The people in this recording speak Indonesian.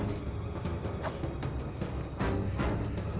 tepi tadi dia wong